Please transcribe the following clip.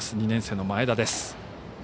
２年生の前田です。